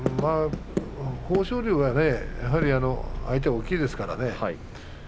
豊昇龍は相手が大きいですからね。